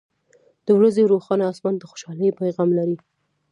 • د ورځې روښانه آسمان د خوشحالۍ پیغام لري.